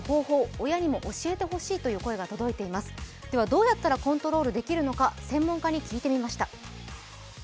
どうやったらコントロールできるのか専門家に聞いてみました。